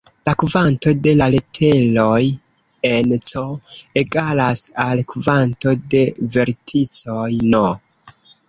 La kvanto de lateroj en "C" egalas al kvanto de verticoj "n".